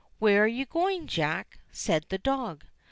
"Where are you going, Jack ?" said the dog.